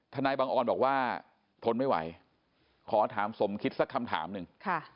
นายบังออนบอกว่าทนไม่ไหวขอถามสมคิดสักคำถามหนึ่ง